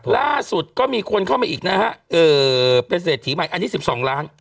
ล่าสุดก็มีคนเข้ามาอีกนะฮะเป็นเศรษฐีใหม่อันนี้๑๒ล้าน